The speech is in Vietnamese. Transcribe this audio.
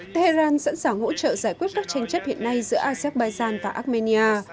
tehran sẵn sàng hỗ trợ giải quyết các tranh chấp hiện nay giữa azerbaijan và armenia